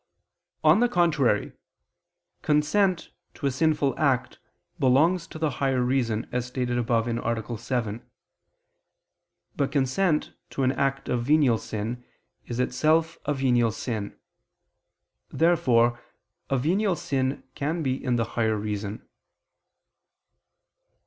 On the contrary, Consent to a sinful act belongs to the higher reason, as stated above (A. 7). But consent to an act of venial sin is itself a venial sin. Therefore a venial sin can be in the higher reason.